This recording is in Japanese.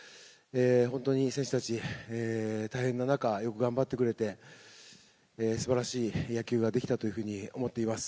本当に選手たち、大変な中、よく頑張ってくれて、すばらしい野球ができたというふうに思っています。